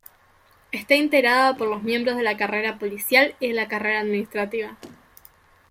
Está integrada por los miembros de la carrera policial y de la carrera administrativa.